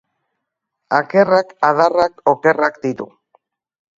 Akerrak adarrak okerrak ditu